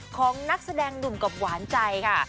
ของนักแสดงหนุ่มกับหวานใจค่ะ